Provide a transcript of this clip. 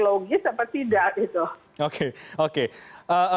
logis atau tidak